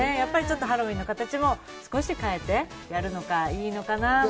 ハロウィーンの形も少し変えてやるのがいいのかな。